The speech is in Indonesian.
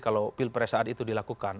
kalau pil peresaan itu dilakukan